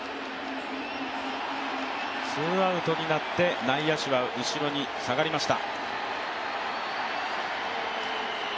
ツーアウトになって、内野手は後ろに下がりました。